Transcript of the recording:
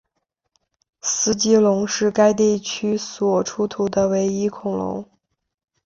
斯基龙是该地区所出土的唯一恐龙。